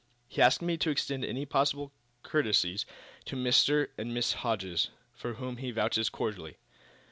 "He asks me to extend any possible courtesies to Mr. and Miss Hodges, for whom he vouches cordially."